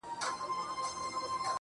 ستا شاعري گرانه ستا اوښکو وړې.